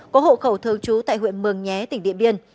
có hộ khẩu thường trú tại huyện mường nhé tỉnh điện biên